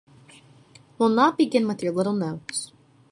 We’ll not begin with your little notes.